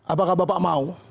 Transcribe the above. apakah bapak mau